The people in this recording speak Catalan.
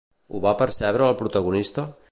Ho va percebre el protagonista?